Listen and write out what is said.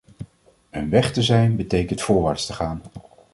Een weg te zijn betekent voorwaarts te gaan.